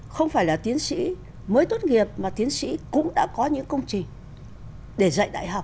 không phải là tiến sĩ mới tốt nghiệp mà tiến sĩ cũng đã có những công trình để dạy đại học